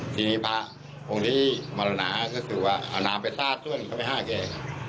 ทีนี้พระองค์ที่มารนาก็ถือว่าอาณาประสาทส่วนก็ไม่ห้าแก่